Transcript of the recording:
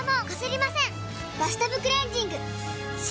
「バスタブクレンジング」！